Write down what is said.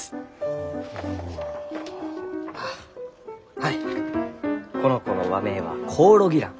はいこの子の和名はコオロギラン。